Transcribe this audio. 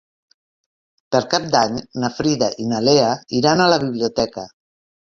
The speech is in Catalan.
Per Cap d'Any na Frida i na Lea iran a la biblioteca.